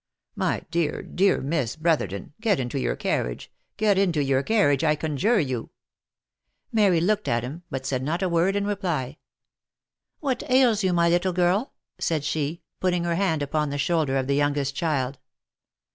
My dear, dear Miss Brotherton, get into your carriage — get into your carriage, I conjure you ! Mary looked at him, but said not a word in reply. " What ails you, my little girl ?" said she, putting her hand upon the shoulder of the youngest child.